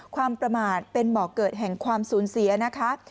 ความประมาทเป็นบ่อเกิดแห่งความสูญเสียนะคะ